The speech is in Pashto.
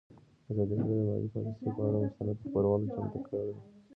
ازادي راډیو د مالي پالیسي پر اړه مستند خپرونه چمتو کړې.